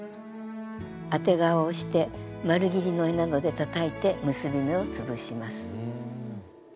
当て革をして丸ぎりの柄などでたたいて結び目をつぶします。